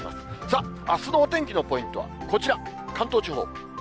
さあ、あすのお天気のポイントはこちら、関東地方。